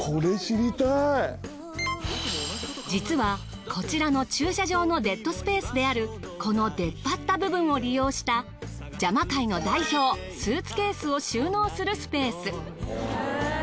実はこちらの駐車場のデッドスペースであるこの出っ張った部分を利用した邪魔界の代表スーツケースを収納するスペース。